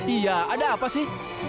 iya ada apa sih